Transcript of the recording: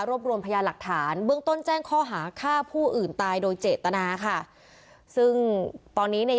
รวมรวมพยานหลักฐานเบื้องต้นแจ้งข้อหาฆ่าผู้อื่นตายโดยเจตนาค่ะซึ่งตอนนี้ใน